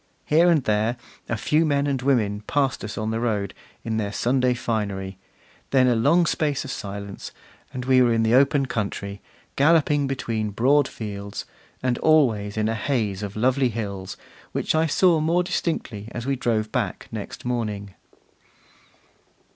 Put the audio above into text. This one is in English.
Here and there, a few men and women passed us on the road, in their Sunday finery; then a long space of silence, and we were in the open country, galloping between broad fields; and always in a haze of lovely hills, which I saw more distinctly as we drove back next morning.